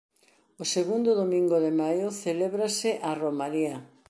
O segundo domingo de maio celébrase a romaría.